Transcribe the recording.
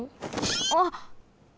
あっ。